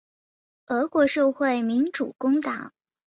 俄国社会民主工党第四次代表大会在瑞典斯德哥尔摩举行。